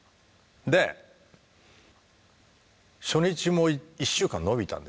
で初日も１週間延びたんですよ。